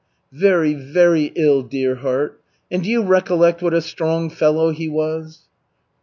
"Very, very ill, dear heart. And do you recollect what a strong fellow he was?"